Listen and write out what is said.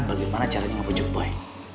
bagaimana caranya ngebujuk boy